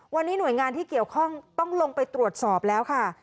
วันนี้หน่วยงานที่เกี่ยวข้องต้องลงไปตรวจสอบแล้วค่ะ